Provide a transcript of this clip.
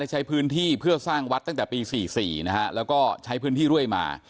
ใช้พื้นที่เพื่อสร้างวัดตั้งแต่ปี๔๔นะฮะแล้วก็ใช้พื้นที่เรื่อยมา